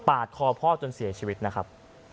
คอพ่อจนเสียชีวิตนะครับ